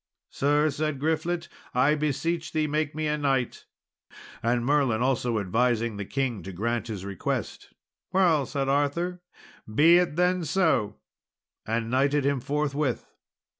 "Sir," said Griflet, "I beseech thee make me a knight;" and Merlin also advising the king to grant his request, "Well," said Arthur, "be it then so," and knighted him forthwith.